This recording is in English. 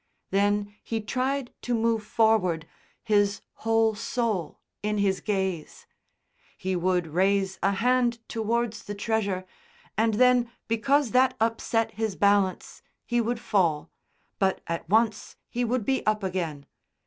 Then he tried to move forward, his whole soul in his gaze. He would raise a hand towards the treasure and then because that upset his balance he would fall, but at once he would be up again.